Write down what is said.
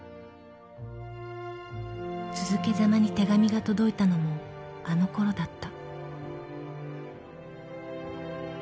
［続けざまに手紙が届いたのもあのころだった］